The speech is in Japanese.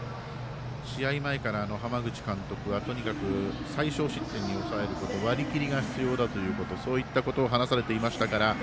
試合前から、浜口監督はとにかく最少失点に抑えること割りきりが必要だということそういったことを話されていましたから。